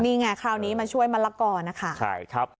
นี่ไงคราวนี้มาช่วยมะละกอนะคะใช่ครับ